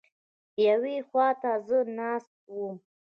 یوې خوا ته زه ناست وم.